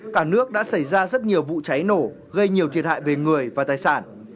cả nước đã xảy ra rất nhiều vụ cháy nổ gây nhiều thiệt hại về người và tài sản